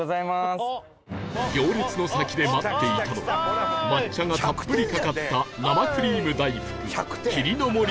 行列の先で待っていたのは抹茶がたっぷりかかった生クリーム大福